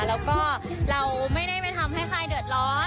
แล้วก็เราไม่ได้ไปทำให้ใครเดือดร้อน